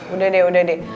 udah deh udah deh